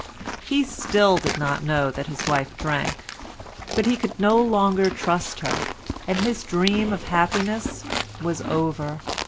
He still did not know that his wife drank, but he could no longer trust her, and his dream of happiness was over.